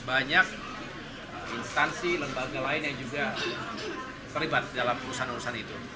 banyak instansi lembaga lain yang juga terlibat dalam urusan urusan itu